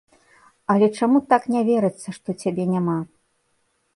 Але чаму так не верыцца што цябе няма?